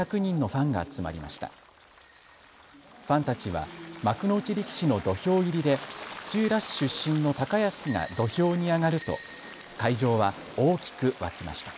ファンたちは幕内力士の土俵入りで土浦市出身の高安が土俵に上がると会場は大きく沸きました。